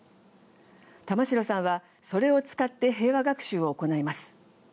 玉城さんはそれを使って平和学習を行います。